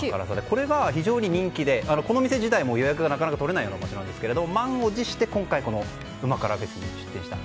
これが非常に人気でこの店自体も予約がなかなかとれないような場所なんですけど満を持して旨辛ＦＥＳに出店したと。